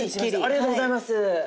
ありがとうございます。